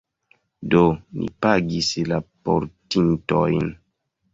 Do, ni pagis la portintojn.